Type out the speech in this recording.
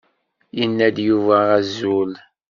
Yenna-d Yuba azul.